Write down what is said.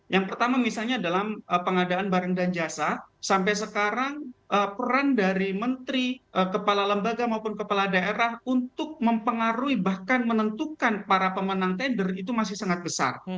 yang pertama misalnya dalam pengadaan barang dan jasa sampai sekarang peran dari menteri kepala lembaga maupun kepala daerah untuk mempengaruhi bahkan menentukan para pemenang tender itu masih sangat besar